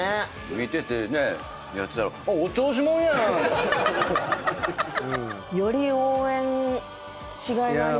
見ててねやってたらあっお調子もんやん！より応援しがいがありますね。